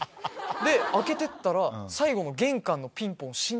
で開けてったら最後の玄関のピンポン。